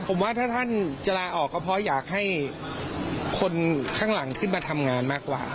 ผมว่าถ้าท่านจะลาออกก็เพราะอยากให้คนข้างหลังขึ้นมาทำงานมากกว่า